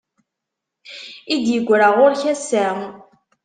I d-yegra ɣur-k ass-a.